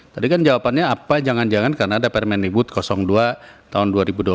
tadi kan jawabannya apa jangan jangan karena ada permendikbud dua tahun dua ribu dua puluh